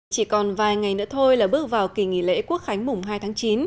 chỉ còn vài ngày nữa thôi là bước vào kỳ nghỉ lễ quốc khánh mùng hai tháng chín